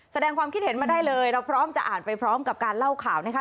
แสดงความคิดเห็นมาได้เลยเราพร้อมจะอ่านไปพร้อมกับการเล่าข่าวนะคะ